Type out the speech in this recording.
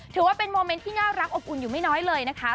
ถือว่าเป็นโมเมนต์ที่น่ารักอบอุ่นอยู่ไม่น้อยเลยนะคะ